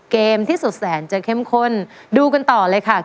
เกมที่สุดแสนจะเข้มข้นดูกันต่อเลยค่ะ